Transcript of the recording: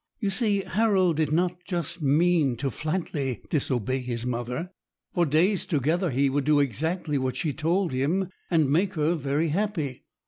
You see, Harold did not just mean to flatly disobey his mother. For days together he would do exactly what she told him, and make her very happy.